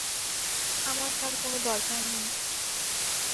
আমার তার কোনো দরকার নেই।